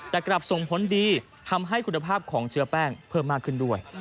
แต่กลับส่งผลดีทำให้คุณภาพของเชื้อแป้งเพิ่มมากขึ้นด้วย